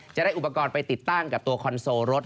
จะได้อุปกรณ์ไปติดตั้งกับตัวคอนโซลรถ